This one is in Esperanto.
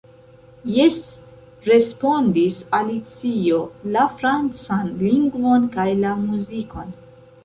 "Jes," respondis Alicio, "la francan lingvon kaj la muzikon."